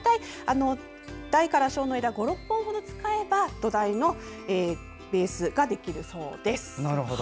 大から小の枝を５６本ほど使えば土台のベースができるそうです。